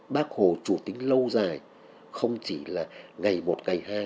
bác hồ chủ tính lâu dài không chỉ là ngày một ngày hai